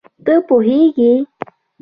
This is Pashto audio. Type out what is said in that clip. ته پوهېږې